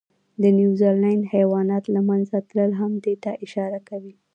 د نیوزیلند حیواناتو له منځه تلل هم دې ته اشاره کوي.